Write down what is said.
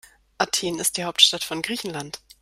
Athen ist die Hauptstadt von Griechenland.